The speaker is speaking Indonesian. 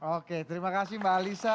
oke terima kasih mbak alisa